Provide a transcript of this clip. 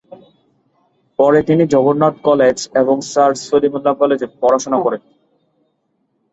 পরে তিনি জগন্নাথ কলেজ এবং স্যার সলিমুল্লাহ কলেজে পড়াশোনা করেন।